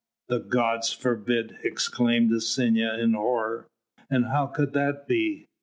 "The gods forbid!" exclaimed Licinia in horror. "And how could that be?"